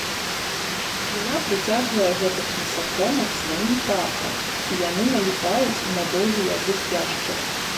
Сліна прыцягвае гэтых насякомых сваім пахам, і яны наліпаюць на доўгі язык яшчара.